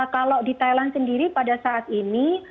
kalau di thailand sendiri pada saat ini